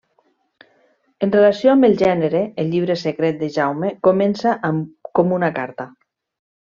En relació amb el gènere, el Llibre Secret de Jaume comença com una carta.